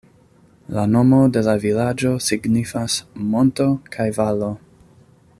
La nomo de la vilaĝo signifas "Monto kaj Valo".